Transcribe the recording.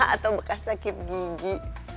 atau bekas sakit gigi